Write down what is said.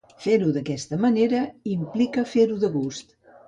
Fer-ho d'aquesta manera implica fer-ho de gust.